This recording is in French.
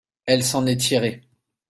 elle s'en est tirée.